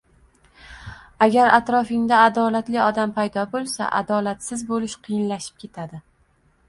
Agar atrofingda adolatli odam paydo bo‘lsa, adolatsiz bo‘lish qiyinlashib ketadi.